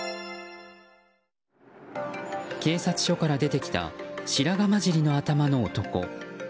警察署から出てきた白髪交じりの頭の男。